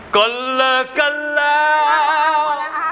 ก่อนเริ่กกันแล้ว